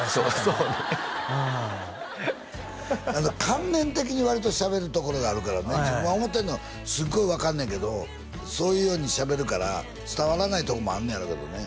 観念的に割としゃべるところがあるからね自分が思ってんのすごい分かんねんけどそういうようにしゃべるから伝わらないとこもあんねやろうけどね